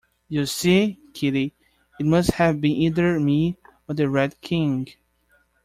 You see, Kitty, it must have been either me or the Red King.